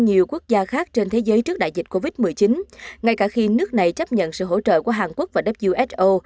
nhiều quốc gia khác trên thế giới trước đại dịch covid một mươi chín ngay cả khi nước này chấp nhận sự hỗ trợ của hàn quốc và who